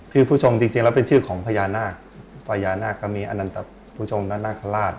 ชื่อภุชงจริงแล้วเป็นชื่อของพญานาคพญานาคมีอนันตะภุชงตนาคาราช